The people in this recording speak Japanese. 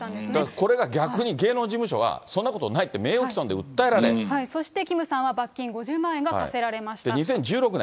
これが逆に芸能事務所はそんなことないって、そしてキムさんは罰金５０万そして２０１６年。